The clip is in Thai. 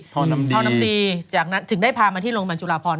ท่อน้ำตีจากนั้นถึงได้พามาที่โรงพยาบาลจุฬาพร